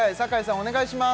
お願いします